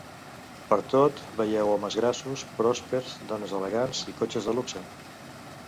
Pertot vèieu homes grassos, pròspers, dones elegants i cotxes de luxe.